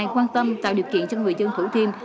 quan tâm tạo điều kiện cho người dân thủ thiêm